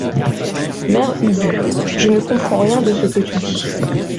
Mère Ubu, je ne comprends rien de ce que tu dis.